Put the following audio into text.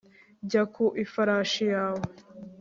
Jya ku ifarashi yawe